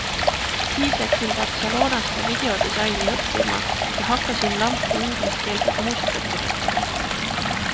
Siis läksin Barcelonasse videodisaini õppima ja hakkasin lampi ingliskeelset muusikat kirjutama.